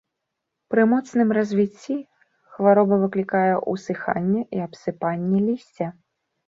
Пры моцным развіцці хвароба выклікае усыханне і абсыпанне лісця.